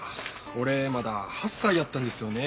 俺まだ８歳やったんですよね。